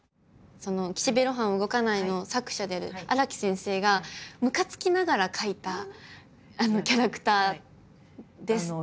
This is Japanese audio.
「岸辺露伴は動かない」の作者である荒木先生がむかつきながら描いたキャラクターですっていう。